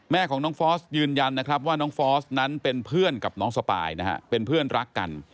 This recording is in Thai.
แม่ของน้องฟอสยืนยันนะครับว่าน้องฟอสนั้นเป็นเพื่อนกับน้องสปายนะฮะเป็นเพื่อนรักกัน